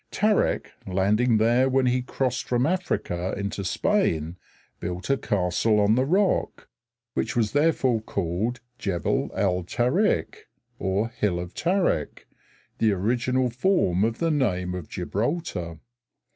Tarik, landing there when he crossed from Africa into Spain, built a castle on the rock, which was therefore called Gebel al Tarik (Hill of Tarik), the original form of the name Gibraltar.